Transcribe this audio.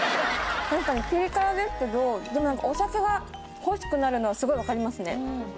確かにピリ辛ですけどでもお酒が欲しくなるのはすごいわかりますね。